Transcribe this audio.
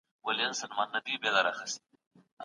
ایا سیاست یوازې د دولت دنده ده؟